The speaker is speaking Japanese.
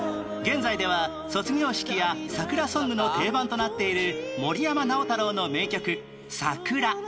現在では卒業式や桜ソングの定番となっている森山直太朗の名曲『さくら』